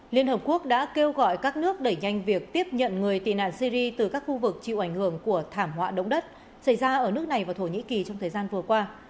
liên hợp quốc đã kêu gọi các nước đẩy nhanh việc tiếp nhận người tị nạn syri từ các khu vực chịu ảnh hưởng của thảm họa động đất xảy ra ở nước này và thổ nhĩ kỳ trong thời gian vừa qua